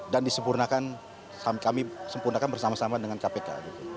dan disempurnakan kami sempurnakan bersama sama dengan kpk